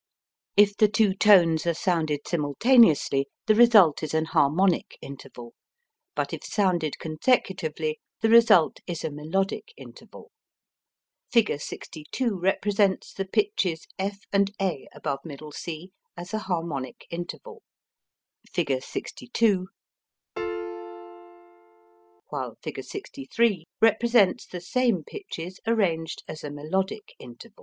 If the two tones are sounded simultaneously the result is an harmonic interval, but if sounded consecutively the result is a melodic interval. Fig. 62 represents the pitches f' and a' as a harmonic interval, while Fig. 63 represents the same pitches arranged as a melodic interval.